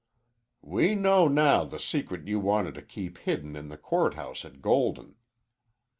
"We know now the secret you wanted to keep hidden in the court house at Golden."